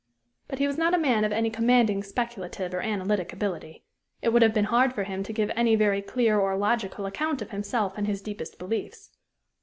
But he was not a man of any commanding speculative or analytic ability. It would have been hard for him to give any very clear or logical account of himself and his deepest beliefs.